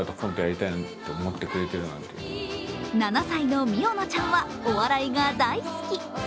７歳のみおなちゃんはお笑いが大好き。